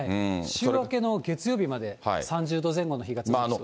週明けの月曜日まで３０度前後の日が続きそう。